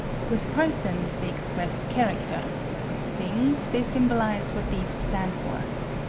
With persons they express character; with things they symbolize what these stand for.